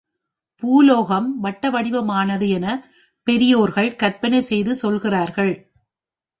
பூலோகம் வட்டவடிவமானது எனப் பெரியோர்கள் கற்பனை செய்து சொல்கிறார்கள்.